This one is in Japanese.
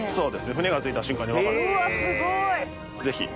船が着いた瞬間に分かる。